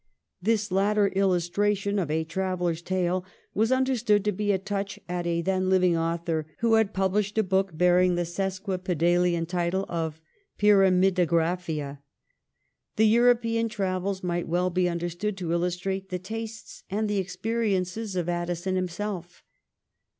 This latter illustration of a traveller's tale was understood to be a touch at a then living author who had published a book bearing the sesqui pedalian title of ' Pyramidagraphia.' The European N 2 180 THE REIGN OF QUEEN ANNE. oh. xxix. travels might well be understood to illustrate the tastes and the experiences of Addison himself.